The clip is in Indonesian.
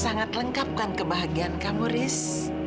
sangat lengkapkan kebahagiaan kamu riz